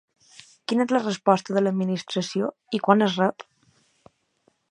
Quina és la resposta de l'Administració i quan es rep?